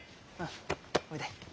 おいで。